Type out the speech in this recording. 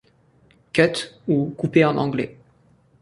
« Cut » ou « couper » en Anglais.